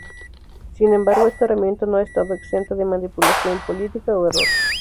Sin embargo, esta herramienta no ha estado exenta de manipulación política o error.